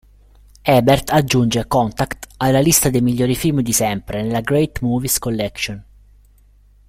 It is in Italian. Ebert aggiunge "Contact" alla lista dei migliori film di sempre, nella "Great Movies collection".